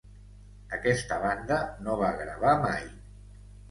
Aquesta banda no va gravar mai.